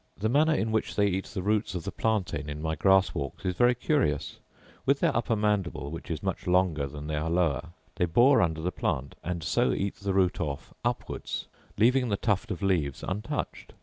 The manner in which they eat their roots of the plantain in my grass walks is very curious: with their upper mandible, which is much longer than their lower, they bore under the plant, and so eat the root off upwards, leaving the tuft of leaves untouched.